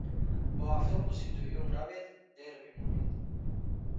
Бо автобуси дуюм равед, дер мемонед.